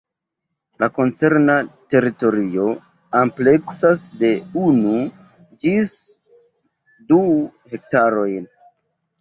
La koncerna teritorio ampleksas de unu ĝis du hektaroj.